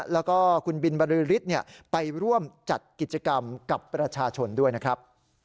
แล้วก็คุณบินบรือฤทธิ์ไปร่วมจัดกิจกรรมกับประชาชนด้วยนะครับ